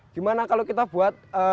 gimana kalau kita buat sebuah usaha untuk eh